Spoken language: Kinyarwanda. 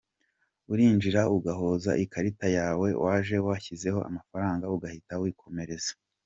Urinjira ugakozaho ikarita yawe waje washyizeho amafaranga ugahita wikomereza.